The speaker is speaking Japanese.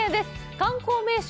観光名所